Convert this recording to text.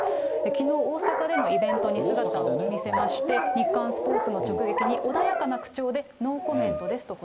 きのう、大阪でのイベントに姿を見せまして、日刊スポーツの直撃に、穏やかな口調でノーコメントですと答えて。